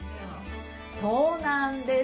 そうなんです。